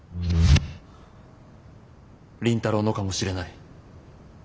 倫太郎のかもしれない。